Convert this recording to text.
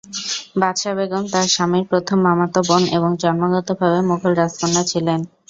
বাদশা বেগম তাঁর স্বামীর প্রথম মামাতো বোন এবং জন্মগতভাবে মুঘল রাজকন্যা ছিলেন।